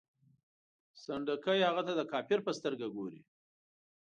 سنډکي هغه ته د کافر په سترګه ګوري.